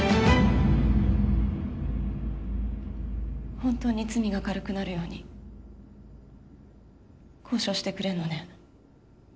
本当に罪が軽くなるように交渉してくれんのね？